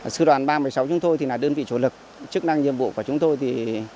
sư đoàn ba trăm một mươi sáu chúng tôi là đơn vị chủ lực chức năng nhiệm vụ của chúng tôi